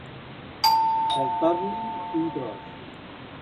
Faltar-li'n un tros.